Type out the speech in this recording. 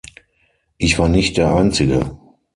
Ich war nicht der einzige.